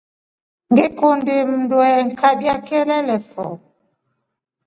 Ngikundi mndu alingikabia kelele fo.